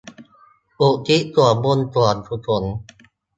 อุทิศส่วนบุญส่วนกุศล